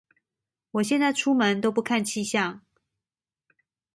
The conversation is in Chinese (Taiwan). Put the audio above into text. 我現在出門都不看氣象